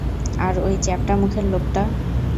আর ওই চ্যাপ্টা মুখের লোকটা?